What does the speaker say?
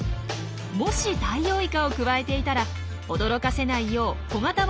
もしダイオウイカをくわえていたら驚かせないよう小型ボートで急接近。